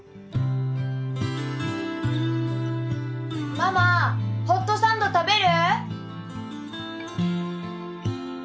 ママホットサンド食べる？